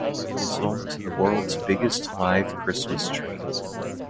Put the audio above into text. It is home to the world's biggest live Christmas tree.